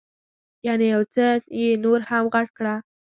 یعنې یو څه یې نور هم غټ کړه.